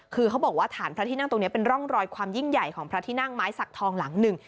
คือเขาบอกว่าฐานพระที่นั่งตรงนี้เป็นร่องรอยความยิ่งใหญ่ของพระที่นั่งไม้สักทองหลังหนึ่ง